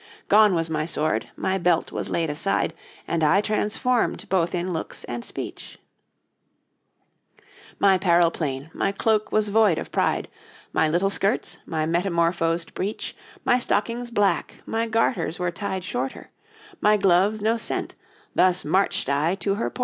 'Gone was my sword, my belt was laid aside, And I transformed both in looks and speech; My 'parel plain, my cloak was void of pride, My little skirts, my metamorphosed breech, My stockings black, my garters were tied shorter, My gloves no scent; thus marched I to her porter.'